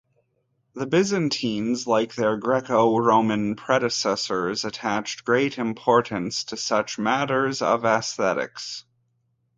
The Byzantines, like their Greco-Roman predecessors, attached great importance to such matters of aesthetics.